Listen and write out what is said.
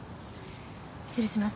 失礼します。